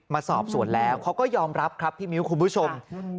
มาสอบสวนแล้วเขาก็ยอมรับครับพี่มิ้วคุณผู้ชม